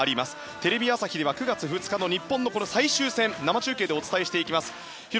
テレビ朝日では９月２日の日本の最終戦を生中継でお伝えします。